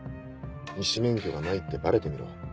医師免許がないってバレてみろ。